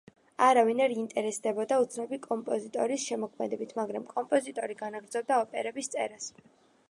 არავინ არ ინტერესდებოდა უცნობი კომპოზიტორის შემოქმედებით, მაგრამ კომპოზიტორი განაგრძობდა ოპერების წერას.